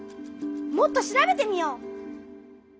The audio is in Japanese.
もっと調べてみよう！